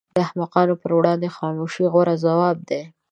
د احمقانو پر وړاندې خاموشي غوره ځواب دی.